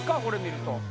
これ見ると。